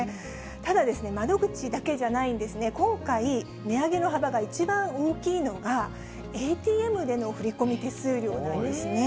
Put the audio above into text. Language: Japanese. ただ、窓口だけじゃないんですね、今回、値上げの幅が一番大きいのが、ＡＴＭでの振り込み手数料なんですね。